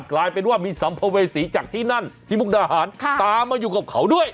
กลายเป็นว่ามีสัมภเวษีจากที่นั่นที่มุกดาหารตามมาอยู่กับเขาด้วย